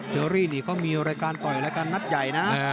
อรี่นี่เขามีรายการต่อยรายการนัดใหญ่นะ